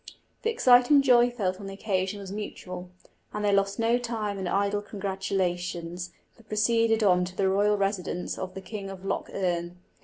The exciting joy felt on the occasion was mutual, and they lost no time in idle congratulations, but proceeded on to the royal residence of the King of Lough Erne.